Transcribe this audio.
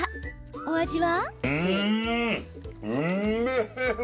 お味は？